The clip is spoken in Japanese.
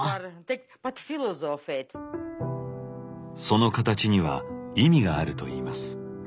その形には意味があるといいます。